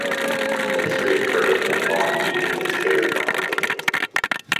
The history of cricket in Long Eaton is very complicated.